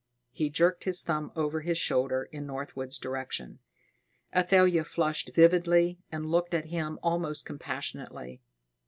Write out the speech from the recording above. He jerked his thumb over his shoulder in Northwood's direction. Athalia flushed vividly and looked at him almost compassionately.